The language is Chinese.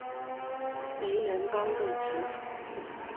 为人刚正直爽。